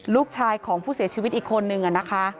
ลูกชายของผู้เสียชีวิตอีกคนนึงนะคะ